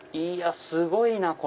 いやすごいな！